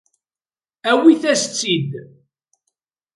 Awit-as-tt-id.